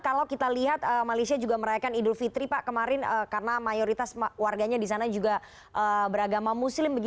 kalau kita lihat malaysia juga merayakan idul fitri pak kemarin karena mayoritas warganya di sana juga beragama muslim